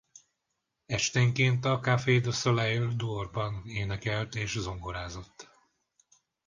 Esténként a Café du Soleil d’Or-ban énekelt és zongorázott.